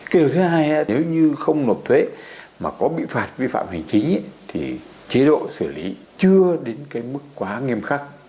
cái điều thứ hai nếu như không nộp thuế mà có bị phạt vi phạm hành chính thì chế độ xử lý chưa đến cái mức quá nghiêm khắc